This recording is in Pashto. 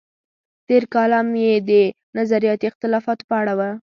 تېر کالم یې د نظریاتي اختلافاتو په اړه و.